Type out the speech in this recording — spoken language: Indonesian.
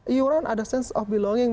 iuran ada sense of belonging